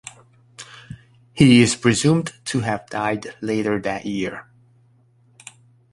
He is presumed to have died later that year.